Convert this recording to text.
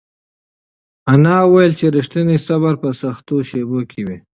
انا وویل چې رښتینی صبر په سختو شېبو کې وي.